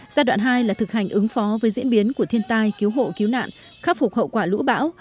giai đoạn hai là thực hành ứng phó với diễn biến của thiên tai cứu hộ cứu nạn khắc phục hậu quả lũ bão